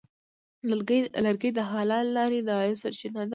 لرګی د حلالې لارې د عاید سرچینه ده.